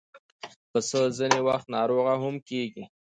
پسه ځینې وخت ناروغه هم کېږي.